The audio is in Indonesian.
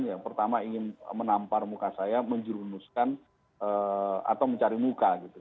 yang pertama ingin menampar muka saya menjerumuskan atau mencari muka gitu